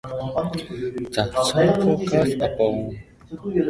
The show focuses upon Henrickson's relationship with his three wives.